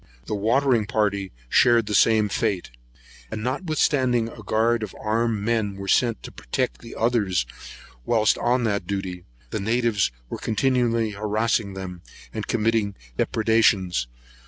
The watering party shared the same fate; and notwithstanding a guard of armed men were sent to protect the others whilst on that duty, the natives were continually harassing them, and commiting depredations.